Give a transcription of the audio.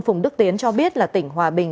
phùng đức tiến cho biết là tỉnh hòa bình